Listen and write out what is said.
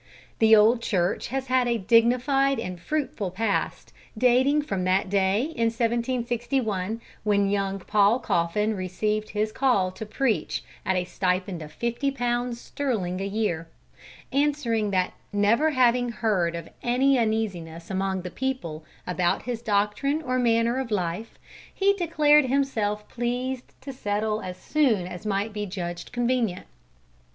The old church has had a dignified and fruitful past, dating from that day in 1761 when young Paul Coffin received his call to preach at a stipend of fifty pounds sterling a year; answering "that never having heard of any Uneasiness among the people about his Doctrine or manner of life, he declared himself pleased to Settle as Soon as might be Judged Convenient."